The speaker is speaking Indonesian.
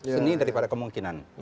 seni daripada kemungkinan